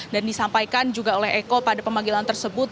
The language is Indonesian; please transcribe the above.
dan disampaikan juga oleh eko pada pemanggilan tersebut